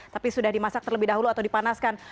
tapi sudah dimasak terlebih dahulu atau dipanaskan